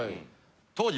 当時。